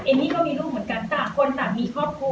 นี่ก็มีลูกเหมือนกันต่างคนต่างมีครอบครัว